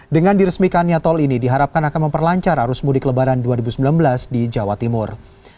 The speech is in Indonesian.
dengan diresmikannya tol ini diharapkan akan memperlancar arus mudik lebaran dua ribu sembilan belas di jawa timur